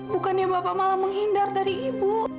bukannya bapak malah menghindar dari ibu